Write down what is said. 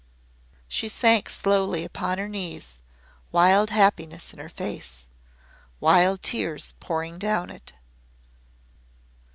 She sank slowly upon her knees, wild happiness in her face wild tears pouring down it.